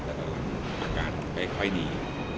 แต่ว่าอาการค่อยดี